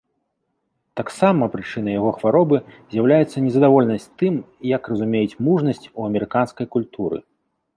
Таксама прычынай яго хваробы з'яўляецца незадаволенасць тым, як разумеюць мужнасць у амерыканскай культуры.